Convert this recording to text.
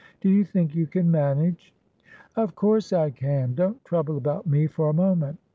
Do you think you can manage?" "Of course I can. Don't trouble about me for a moment.